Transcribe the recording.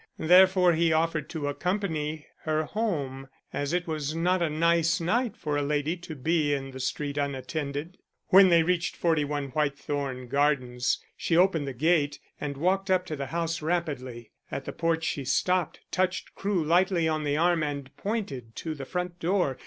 Therefore he offered to accompany her home, as it was not a nice night for a lady to be in the street unattended. When they reached 41 Whitethorn Gardens, she opened the gate, and walked up to the house rapidly. At the porch she stopped, touched Crewe lightly on the arm, and pointed to the front door.